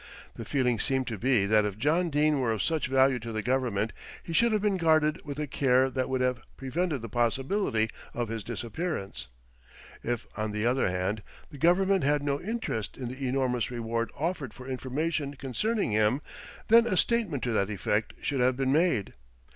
The feeling seemed to be that if John Dene were of such value to the Government, he should have been guarded with a care that would have prevented the possibility of his disappearance. If on the other hand the Government had no interest in the enormous reward offered for information concerning him, then a statement to that effect should have been made.